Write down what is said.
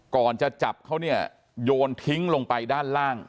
ก่อนจะจับเขาเนี่ยโยนทิ้งลงไปด้านล่าง